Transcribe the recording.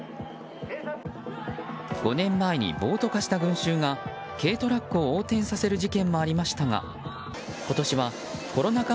５年前に暴徒化した群衆が軽トラックを横転させる事件もありましたが今年はコロナ禍